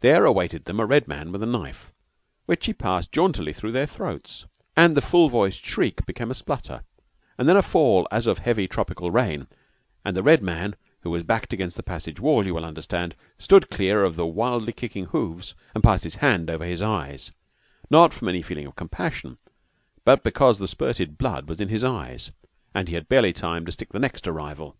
There awaited them a red man with a knife, which he passed jauntily through their throats, and the full voiced shriek became a splutter, and then a fall as of heavy tropical rain, and the red man, who was backed against the passage wall, you will understand, stood clear of the wildly kicking hoofs and passed his hand over his eyes, not from any feeling of compassion, but because the spurted blood was in his eyes, and he had barely time to stick the next arrival.